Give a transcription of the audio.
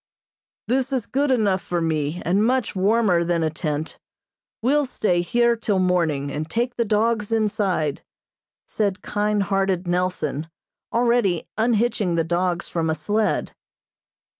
"This is good enough for me, and much warmer than a tent we'll stay here till morning, and take the dogs inside," said kind hearted Nelson, already unhitching the dogs from a sled.